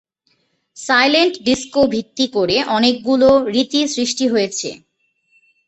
Silent disco ভিত্তি করে অনেক গুলো রীতি সৃষ্টি হয়েছে।